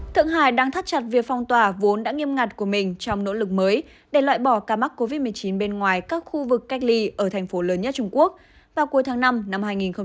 thượng hải đang thắt chặt việc phong tỏa vốn đã nghiêm ngặt của mình trong nỗ lực mới để loại bỏ ca mắc covid một mươi chín bên ngoài các khu vực cách ly ở thành phố lớn nhất trung quốc vào cuối tháng năm năm hai nghìn hai mươi